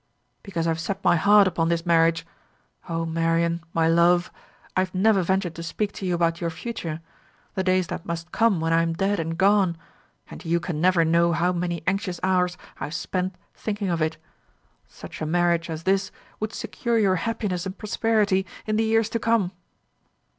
"Because I have set my heart upon this marriage. O Marian, my love, I have never ventured to speak to you about your future the days that must come when I am dead and gone; and you can never know how many anxious hours I have spent thinking of it. Such a marriage as this would secure you happiness and prosperity in the years to come."